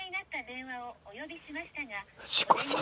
藤子さん。